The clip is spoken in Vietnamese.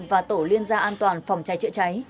và tổ liên gia an toàn phòng cháy chữa cháy